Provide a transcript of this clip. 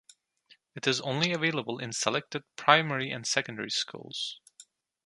It is only available in selected primary and secondary schools.